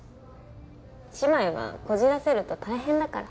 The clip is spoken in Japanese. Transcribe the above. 姉妹はこじらせると大変だから。